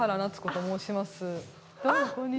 どうもこんにちは。